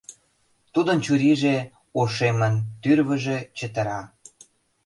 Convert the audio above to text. Тудын чурийже ошемын, тӱрвыжӧ чытыра.